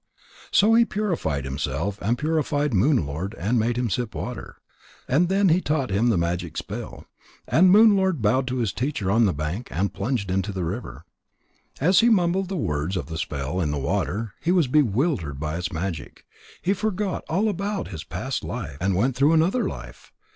So he purified himself and purified Moon lord and made him sip water, and then he taught him the magic spell. And Moon lord bowed to his teacher on the bank, and plunged into the river. And as he mumbled the words of the spell in the water, he was bewildered by its magic. He forgot all about his past life, and went through another life.